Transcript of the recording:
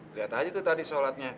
lihat aja tuh tadi sholatnya